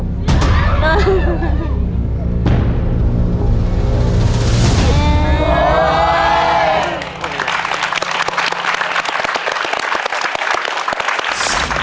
ถุงเฉินเฉินเฉินเฉิน